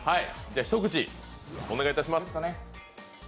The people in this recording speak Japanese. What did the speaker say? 一口お願いいたします。